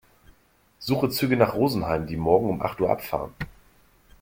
Suche Züge nach Rosenheim, die morgen um acht Uhr abfahren.